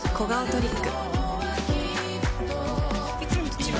いつもと違う？